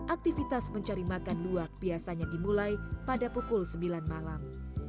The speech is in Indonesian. aktivitas mencari makan luak biasanya dimulai pada pukul sembilan malam